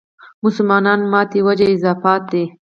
مسلمانانو ماتې وجه اضافات دي.